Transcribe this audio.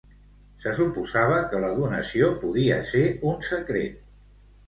Se suposava que la donació podia ser un secret.